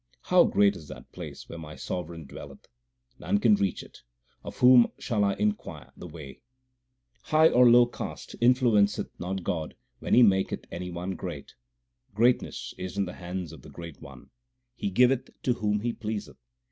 How great is that place where my Sovereign dwelleth ! None can reach it ; of whom shall I inquire the way ? High or low caste influenceth not God when He maketh any one great. Greatness is in the hands of the Great One ; He giveth to whom He pleaseth.